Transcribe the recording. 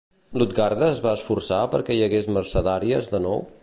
Lutgarda es va esforçar per fer que hi hagués mercedàries de nou?